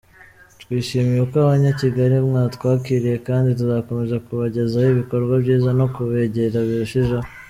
Twishimiye uko Abanyakigali mwatwakiriye kandi tuzakomeza kubagezaho ibikorwa byiza no kubegera birushijeho.